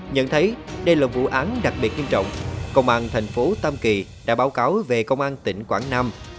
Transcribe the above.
nhận thấy đây là vụ án đặc biệt nghiêm trọng công an thành phố tam kỳ đã báo cáo về công an tỉnh quảng nam